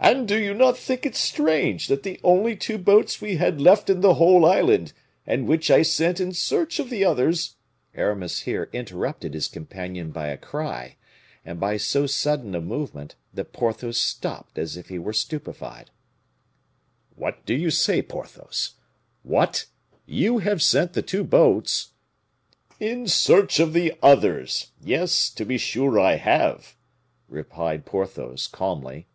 "And do you not think it strange that the two only boats we had left in the whole island, and which I sent in search of the others " Aramis here interrupted his companion by a cry, and by so sudden a movement, that Porthos stopped as if he were stupefied. "What do you say, Porthos? What! You have sent the two boats " "In search of the others! Yes, to be sure I have," replied Porthos, calmly.